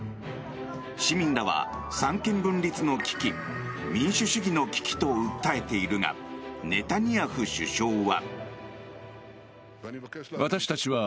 市民らは三権分立の危機民主主義の危機と訴えているがネタニヤフ首相は。